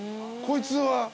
こいつは。